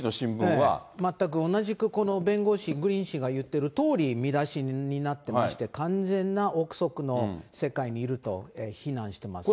全く同じく、弁護士、グリーン氏が言ってるとおり、見出しになってまして、完全な臆測の世界にいると非難していますね。